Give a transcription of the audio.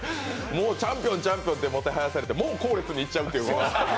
もうチャンピオン、チャンピオンってもてはやされて、もう後列に行っちゃうっていう。